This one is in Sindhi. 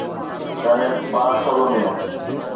saint Bartholomew